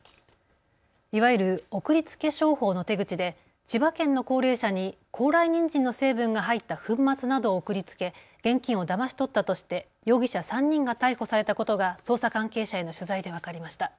いわゆる送りつけ商法の手口で千葉県の高齢者に高麗にんじんの成分が入った粉末などを送りつけ現金をだまし取ったとして容疑者３人が逮捕されたことが捜査関係者への取材で分かりました。